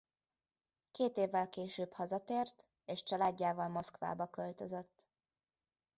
Két évvel később hazatért és családjával Moszkvába költözött.